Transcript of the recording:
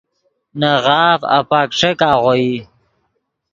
نے غاف اپک ݯیک آغوئی